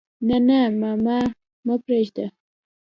نه نه ماما ما پرېده.